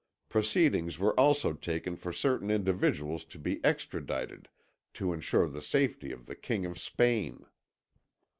Proceedings were also taken for certain individuals to be extradited to ensure the safety of the King of Spain.